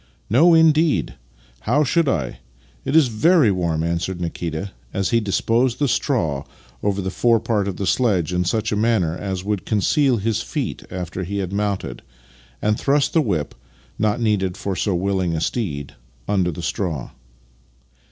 " No indeed! How should I? It is very warm," answered Nikita as he disposed the straw over the forepart of the sledge in such a manner as would con ceal his feet after he had mounted, and thrust the whip (not needed for so willing a steed) under the straw.